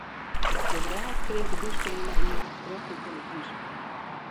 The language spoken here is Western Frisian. De wrâld kringt de húskeamer yn troch de telefyzje.